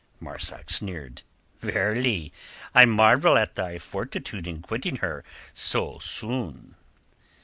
Marzak sneered. "Verily, I marvel at thy fortitude in quitting her so soon!"